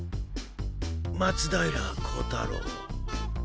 松平孝太郎。